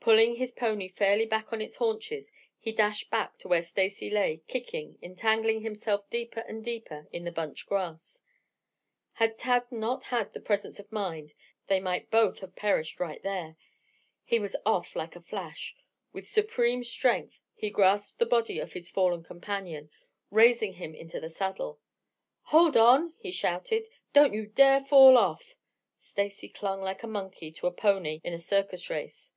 Pulling his pony fairly back on its haunches, he dashed back where Stacy lay kicking, entangling himself deeper and deeper in the bunch grass. Had Tad not had presence of mind they both might have perished right there. He was off like a flash. With supreme strength, he grasped the body of his fallen companion, raising him into the saddle. "Hold on!" he shouted. "Don't you dare fall off!" Stacy clung like a monkey to a pony in a circus race.